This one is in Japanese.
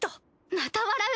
また笑う！？